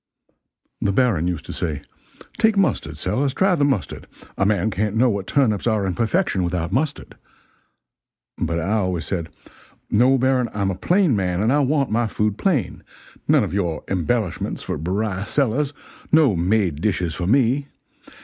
The Baron used to say, 'Take mustard, Sellers, try the mustard, a man can't know what turnips are in perfection without, mustard,' but I always said, 'No, Baron, I'm a plain man and I want my food plain none of your embellishments for Beriah Sellers no made dishes for me!